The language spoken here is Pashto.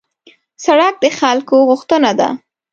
سړک د خلکو غوښتنه ده.